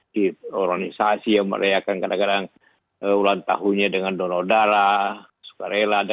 di organisasi yang mereka akan kadang kadang ulang tahunnya dengan donor darah sukarela